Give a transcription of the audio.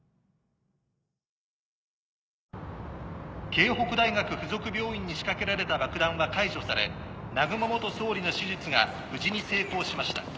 彗北大学附属病院に仕掛けられた爆弾は解除され南雲元総理の手術が無事に成功しました。